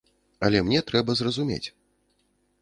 Але мне трэба зразумець.